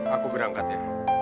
aku berangkat ya